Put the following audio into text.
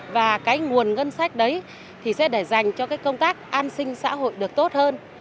và cái nguồn ngân sách đấy thì sẽ để dành cho cái công tác an sinh xã hội được tốt hơn